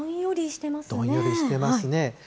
どんよりしてますね。